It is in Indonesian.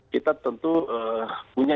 kita tentu punya